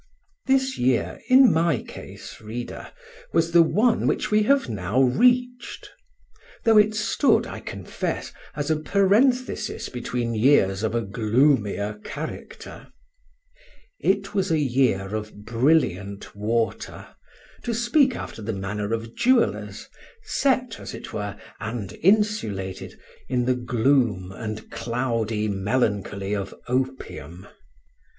This year, in my case, reader, was the one which we have now reached; though it stood, I confess, as a parenthesis between years of a gloomier character. It was a year of brilliant water (to speak after the manner of jewellers), set as it were, and insulated, in the gloom and cloudy melancholy of opium.